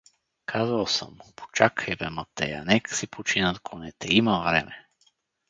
Казвал съм му: „Почакай бе, Матея, нека си починат конете, има време.“